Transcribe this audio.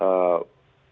oke terima kasih